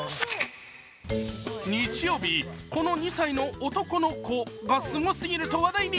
日曜日、この２歳の男の子がすごすぎると話題に。